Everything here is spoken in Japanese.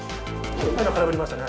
今、空振りましたね。